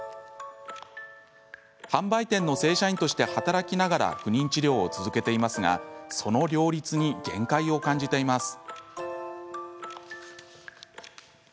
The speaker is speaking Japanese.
販売店の正社員として働きながら不妊治療を続けていますがその両立に限界を感じています。